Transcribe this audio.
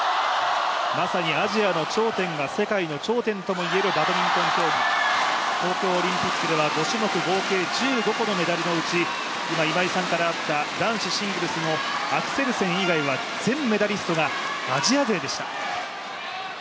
まさにアジアの頂点は世界の頂点ともいえるバドミントン競技、東京オリンピックでは５種目合計合計１５個のメダルのうち男子シングルスのアクセルセン以外は全メダリストがアジア勢でした。